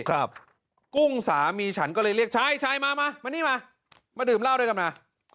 กุ้งสามีฉันก็เลยเรียกชายชายมามานี่มามาดื่มเหล้าด้วยกันมา